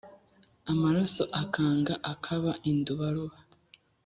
Amaraso akanga akaba indubaruba,